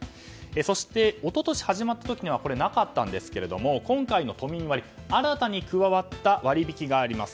そして、一昨年始まった時にはなかったんですけれども今回の都民割新たに加わった割引があります。